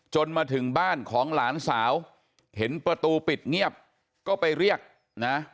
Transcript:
มาถึงบ้านของหลานสาวเห็นประตูปิดเงียบก็ไปเรียกนะ